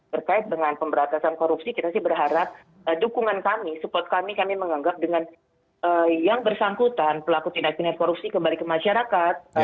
berkait dengan pemberantasan korupsi kita sih berharap dukungan kami support kami kami menganggap dengan yang bersangkutan pelaku tindak pindahan korupsi kembali ke masyarakat